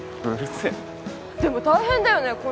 でも大変だよね。